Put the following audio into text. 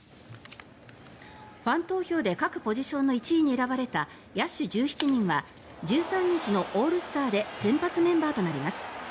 ファン投票で各ポジションの１位に選ばれた野手１７人は１３日のオールスターで先発メンバーとなります。